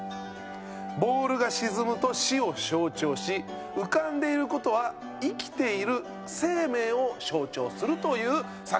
ボールが沈むと死を象徴し浮かんでいる事は生きている生命を象徴するという作品でございます。